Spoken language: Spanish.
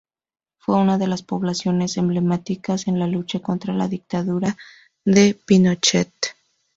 Fue una de las poblaciones emblemáticas en la lucha contra la dictadura de Pinochet.